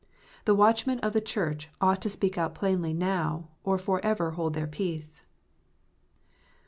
The watchmen of the Church ought to speak out plainly now, or for ever hold their peace.